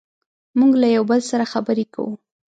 موږ له یو بل سره خبرې کوو.